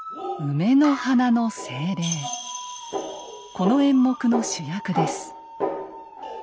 この演目の主役です。